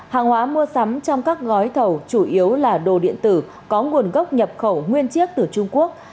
hàng hóa mua sắm trong các gói thầu chủ yếu là đồ điện tử có nguồn gốc nhập khẩu nguyên chiếc từ trung quốc